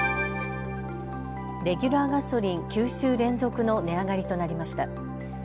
レギュラーガソリン、９週連続の値上がりとなりました。